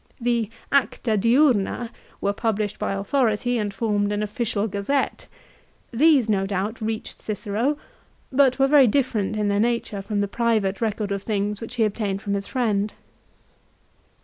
The " Acta Diurna " were published by authority and formed an official gazette. These Ad Div. lib. viii. 11. GILICIA. 123 no doubt reached Cicero, but were very different in their nature from the private record of things which he obtained from his friend.